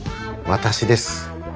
私です。